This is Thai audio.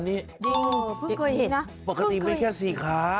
เดี๋ยวเพิ่งเคยเห็นน่ะเพิ่งเคยเห็นน่ะปกติไม่แค่๔ขา